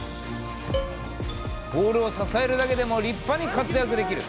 ボールを支えるだけでも立派に活躍できる。